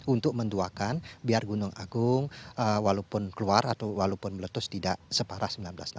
untuk mendoakan biar gunung agung walaupun keluar atau walaupun meletus tidak separah seribu sembilan ratus delapan puluh